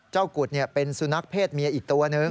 กุฎเป็นสุนัขเพศเมียอีกตัวหนึ่ง